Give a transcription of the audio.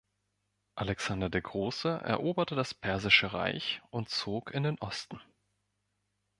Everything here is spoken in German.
Alexander der Große eroberte das Persische Reich und zog in den Osten.